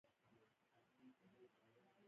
د مشروطیت غورځنګ دوه دورې لري.